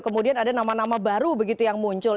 kemudian ada nama nama baru begitu yang muncul